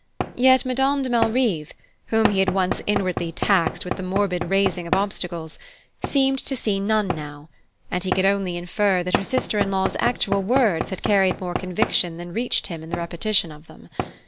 Yet Madame de Malrive, whom he had once inwardly taxed with the morbid raising of obstacles, seemed to see none now; and he could only infer that her sister in law's actual words had carried more conviction than reached him in the repetition of them.